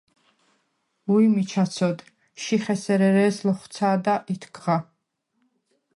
–უ̄ჲ, მიჩა ცოდ, შიხ ესერ ერე̄ს ლოხუ̂ცა̄და ითქღა!